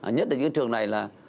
nhất là những trường này là